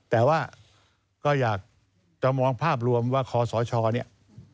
แต่ว่าก็อยากจะมองภาพรวมว่าคอสชเนี่ย